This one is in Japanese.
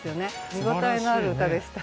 見応えのある歌でした。